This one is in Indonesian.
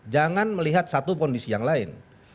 jangan melihat satu kondisi yang lain